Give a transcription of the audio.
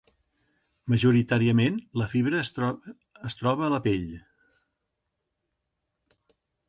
Majoritàriament, la fibra es troba a la pell.